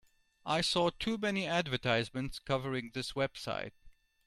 I saw too many advertisements covering this website.